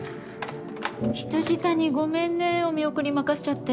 未谷ごめんねお見送り任せちゃって。